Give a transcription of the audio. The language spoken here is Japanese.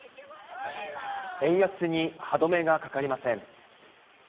円安に歯止めがかかりません。